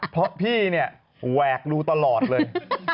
เพราะพี่เนี่ยแหวกดูตลอดเลย